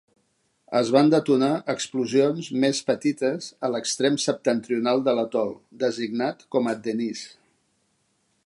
Es van detonar explosions més petites a l'extrem septentrional de l'atol, designat com a Denise.